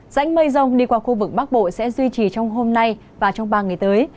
dãnh mây rông đi qua khu vực bắc bộ sẽ duy trì trong hôm nay và trong ba ngày tới